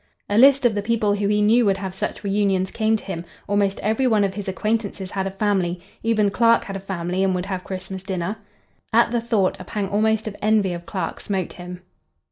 A list of the people who he knew would have such reunions came to him; almost every one of his acquaintances had a family;—even Clark had a family and would have a Christmas dinner. At the thought, a pang almost of envy of Clark smote him.